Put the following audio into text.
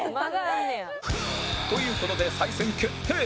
という事で再戦決定！